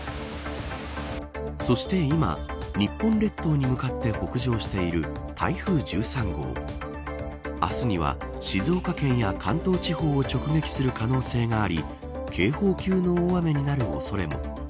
そして今日本列島に向かって北上している台風１３号明日には、静岡県や関東地方を直撃する可能性があり警報級の大雨になる恐れも。